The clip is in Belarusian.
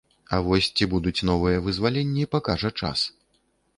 А вось ці будуць новыя вызваленні, пакажа час.